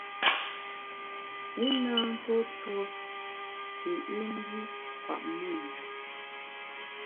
I na ntuo tuo shi i mbi kwet me njap.